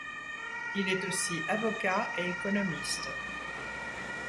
Il est aussi avocat et économiste.